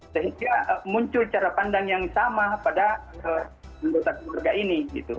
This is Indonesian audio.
sehingga muncul cara pandang yang sama pada anggota keluarga ini